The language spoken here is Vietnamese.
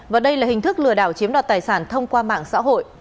và đây là hình thức lừa đảo chiếm đoạt tài sản thông qua mạng xã hội